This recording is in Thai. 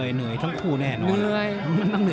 เหนื่อยทั้งคู่แน่นอน